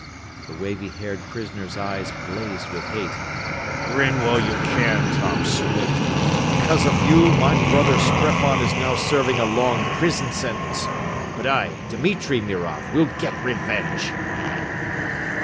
The wavy haired prisoner's eyes blazed with hate. "Grin while you can, Tom Swift! Because of you, my brother Streffan is now serving a long prison sentence! But I, Dimitri Mirov, will get revenge!"